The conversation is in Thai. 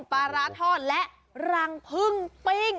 ปลาร้าทอดและรังพึ่งปิ้ง